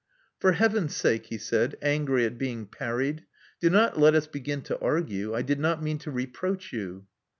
For Heaven's sake," he said, angfry at being parried, do not let us begin to argue. I did not mean to reproach you."